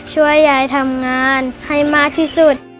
ช่วยยายทำงานให้มากที่สุด